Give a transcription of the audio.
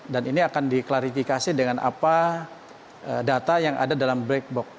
ini akan diklarifikasi dengan apa data yang ada dalam black box